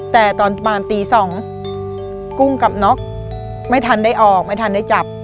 แต่ตอนประมาณตี๒กุ้งกับน็อกไม่ทันได้ออกไม่ทันได้จับ